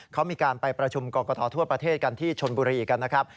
เขามีการไปประชุมกรกฐทั่วประเทศกันที่ชนบุรีกันนะครับ